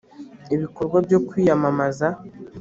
ibikorwa byo kwiyamamaza